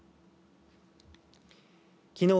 きのう